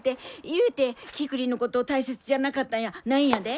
いうてキクリンのこと大切じゃなかったんやないんやで。